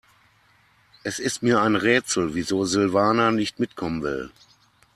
Es ist mir ein Rätsel, wieso Silvana nicht mitkommen will.